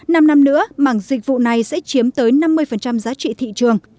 năm năm nữa mảng dịch vụ này sẽ chiếm tới năm mươi giá trị thị trường